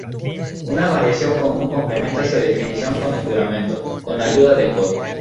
Una variación común complementa esta definición con el juramento: "con la ayuda de Codd".